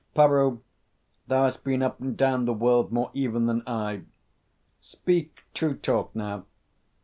"Peroo, thou hast been up and down the world more even than I. Speak true talk, now.